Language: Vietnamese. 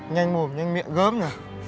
nhanh mồm nhanh miệng gớm nhỉ